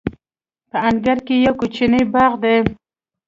په انګړ کې یو کوچنی باغ دی.